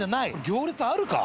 行列あるか？